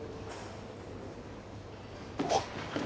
あっ！